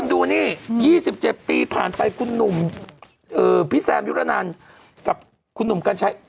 ดูนี่๒๗ปีผ่านไปคุณหนุ่มพี่แซมยุรนันกับคุณหนุ่มกัญชัย